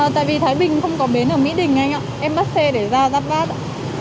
tại vì thái bình không có bến ở mỹ đình anh ạ em bắt xe để ra giáp bát ạ